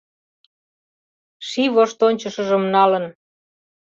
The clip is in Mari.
Ший воштончышыжым налын